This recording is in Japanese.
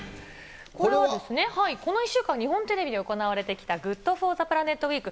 この１週間日本テレビで行われてきたＧｏｏｄＦｏｒｔｈｅＰｌａｎｅｔウイーク。